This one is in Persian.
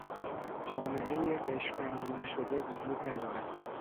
جامعهی قشر بندی نشده وجود ندارد.